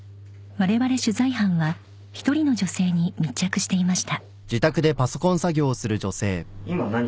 ［われわれ取材班は１人の女性に密着していました］